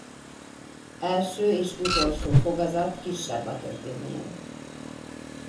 Első és utolsó fogazat kisebb a többinél.